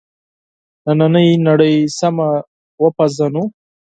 نننۍ نړۍ سمه وپېژنو.